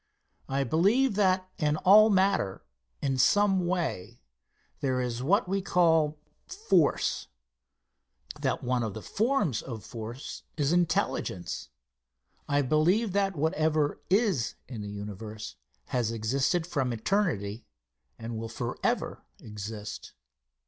I believe that in all matter, in some way, there is what we call force; that one of the forms of force is intelligence. I believe that whatever is in the universe has existed from eternity and will forever exist.